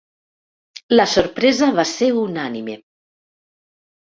La sorpresa va ser unànime.